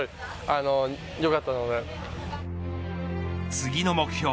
次の目標